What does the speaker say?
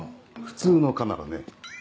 普通の科ならね。